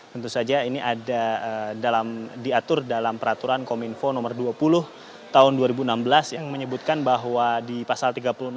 tentu saja ini ada diatur dalam peraturan kominfo nomor dua puluh tahun dua ribu enam belas yang menyebutkan bahwa di pasal tiga puluh enam